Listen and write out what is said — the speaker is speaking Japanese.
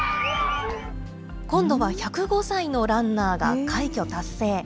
今度は１０５歳のランナーが快挙達成。